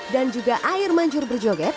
dan juga air mancur berjoget